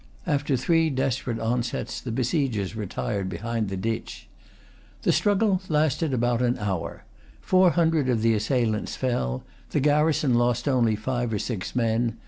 After three desperate onsets, the besiegers retired behind the ditch. The struggle lasted about an hour. Four hundred of the assailants fell. The garrison lost only five or six men.